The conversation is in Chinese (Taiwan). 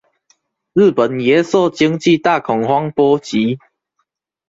日本也受經濟大恐慌波及